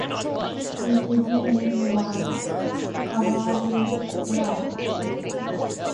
His jeans were covered with blood.